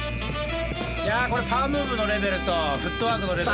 いやこれパワームーブのレベルとフットワークのレベルの高さ。